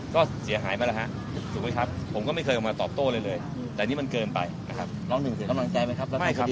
คิดว่าเป็นงานนิษย์แค่เดียวของเรามั้ยมั้ย